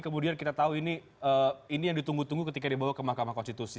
kemudian kita tahu ini yang ditunggu tunggu ketika dibawa ke mahkamah konstitusi